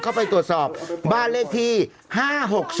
เข้าไปตรวจสอบบ้านเลขที่๕๖๒